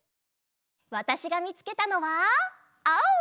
わたしがみつけたのはあお！